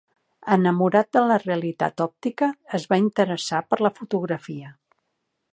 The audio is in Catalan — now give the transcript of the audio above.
Enamorat de la realitat òptica, es va interessar per la fotografia.